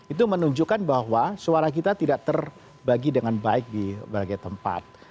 itu menunjukkan bahwa suara kita tidak terbagi dengan baik di berbagai tempat